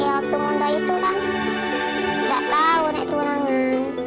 ya waktu muda itu kan gak tau naik tunangan